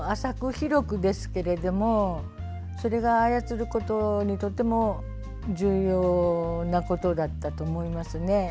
広くですけれどもそれが操ることに、とても重要なことだったと思いますね。